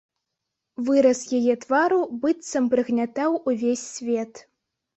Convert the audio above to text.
Выраз яе твару быццам прыгнятаў увесь свет.